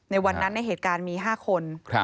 ในวันนั้นในเหตุการณ์มี๕คน